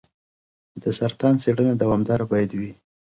د سرطان څېړنه دوامداره باید وي.